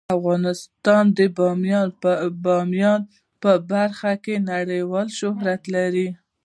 افغانستان د بامیان په برخه کې نړیوال شهرت لري.